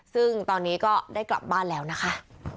ซึ่งตอนนี้ก็ได้กลับบ้านแล้วนะคะ